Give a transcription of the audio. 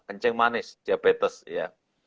kencing manis diabetes ya